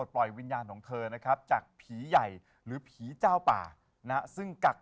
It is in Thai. สัมพเวศีเนี่ยต้องไหว้ข้างนอกตรงทางสามแพงหรือว่าบริเวณถนนไหว้หน้าบ้านยังไม่มาไหว้เลย